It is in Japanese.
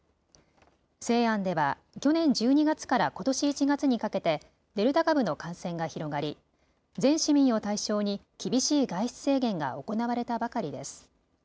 西安では去年１２月からことし１月にかけてデルタ株の感染が広がり全市民を対象に厳しい外出制限が行われたばかりです。